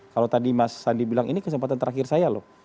kalau tadi mas sandi bilang ini kesempatan terakhir saya loh